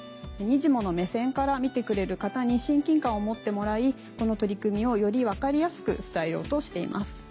にじモの目線から見てくれる方に親近感を持ってもらいこの取り組みをより分かりやすく伝えようとしています。